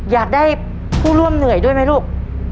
อยากได้ผู้ร่วมเหนื่อยด้วยไหมลูก